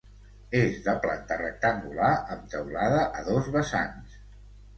És de planta rectangular amb teulada a dos vessants.